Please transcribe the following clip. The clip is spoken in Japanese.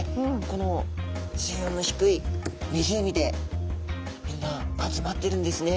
この水温の低い湖でみんな集まってるんですね。